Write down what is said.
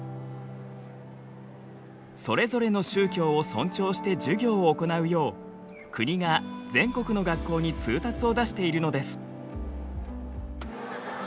それぞれの宗教を尊重して授業を行うよう国が全国の学校に通達を出しているのです。